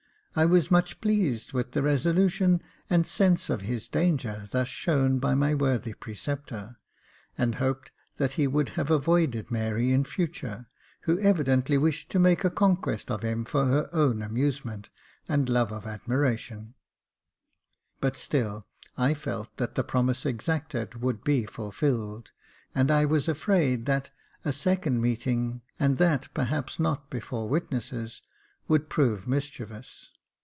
I was much pleased with the resolu tion and sense of his danger thus shown by my worthy preceptor, and hoped that he would have avoided Mary in future, who evidently wished to make a conquest of him for her own amusement and love of admiration ; but Jacob Faithful 2,45 still I felt that the promise exacted would be fulfilled, and I was afraid that a second meeting, and that perhaps not before witnesses, would prove mischievous.